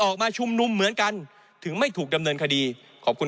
ออกมาชุมนุมเหมือนกันถึงไม่ถูกดำเนินคดีขอบคุณ